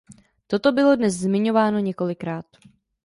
Toto bylo dnes zmiňováno několikrát.